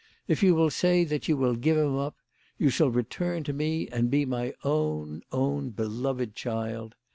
If you will say that you will give him up, you shall return to me and be my own, own beloved child.